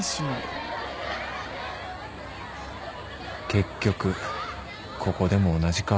結局ここでも同じか